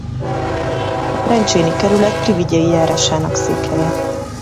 A Trencséni kerület Privigyei járásának székhelye.